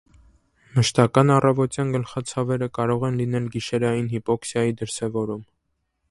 Մշտական առավոտյան գլխացավերը կարող են լինել գիշերային հիպօքսիայի դրսևորում։